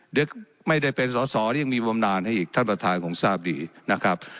เดี๋ยวไม่ได้เป็นสอสอหรือยังมีบำนานให้อีกท่านประธานคงทราบดีนะครับ